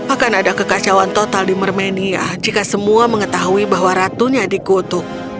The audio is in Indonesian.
akan ada kekacauan total di mermenia jika semua mengetahui bahwa ratunya dikutuk